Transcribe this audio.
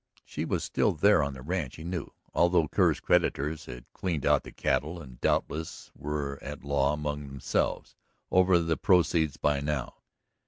She was still there on the ranch, he knew, although Kerr's creditors had cleaned out the cattle, and doubtless were at law among themselves over the proceeds by now.